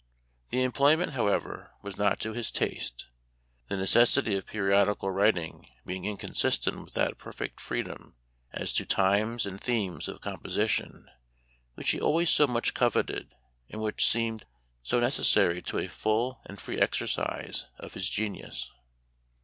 The employment, however, was not to his taste, the necessity of periodical writing being inconsistent with that perfect freedom, as to times and themes of composition, which he always so much coveted, and which seemed so necessary to a full and free exercise of his genius.